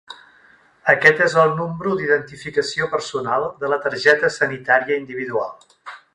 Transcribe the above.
Aquest és el número d'identificació personal de la targeta sanitària individual.